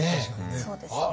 そうですね。